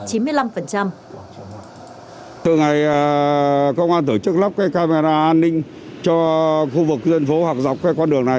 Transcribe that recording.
từ ngày công an tổ chức lắp camera an ninh cho khu vực dân phố hoặc dọc con đường này